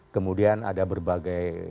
kemudian ada berbagai